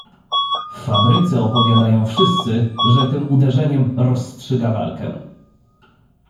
"W fabryce opowiadają wszyscy, że tym uderzeniem rozstrzyga walkę."